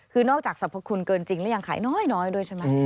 คือนอกจากสรรพคุณเกินจริงแล้วยังขายน้อยด้วยใช่ไหม